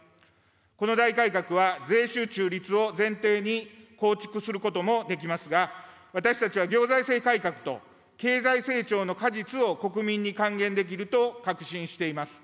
この大改革は税収中立を前提に構築することもできますが、私たちは行財政改革と経済成長の果実を国民に還元できると確信しています。